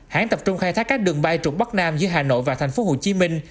hãng tập trung khai thác các đường bay trục bắc nam giữa hà nội và thành phố hồ chí minh